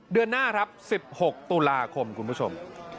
เดือนหน้าครับ๑๖ตุลาคมคุณผู้ชม